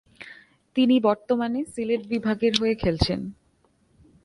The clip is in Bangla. তিনি বর্তমানে সিলেট বিভাগের হয়ে খেলছেন।